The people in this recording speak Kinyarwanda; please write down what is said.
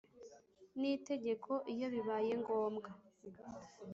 N itegeko iyo bibaye ngombwa